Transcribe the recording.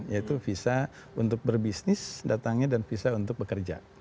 yaitu visa untuk berbisnis datangnya dan visa untuk bekerja